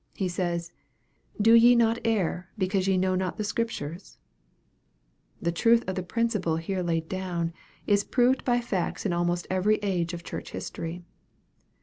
He says, " Do ye not err, because ye know not the Scriptures ?" The truth of the principle here laid down, is proved by facts in almost every age of church history.